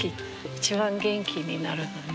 一番元気になるのね。